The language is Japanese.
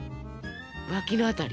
脇の辺り？